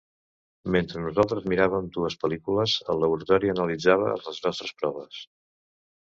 Mentre nosaltres miràvem dues pel·lícules, el laboratori analitzava les nostres proves.